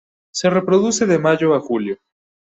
Se reproduce de mayo a julio.